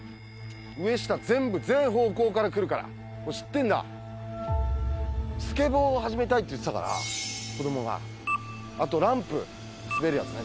上下全部全方向から来るから知ってんだスケボーを始めたいって言ってたから子どもがあとランプ滑るやつね